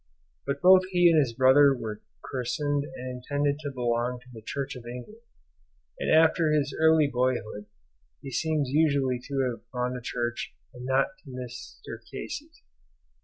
But both he and his brother were christened and intended to belong to the Church of England; and after his early boyhood he seems usually to have gone to church and not to Mr. Case's.